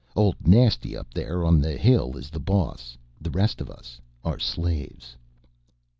Old Nasty up there on the hill is the boss. The rest of us are slaves."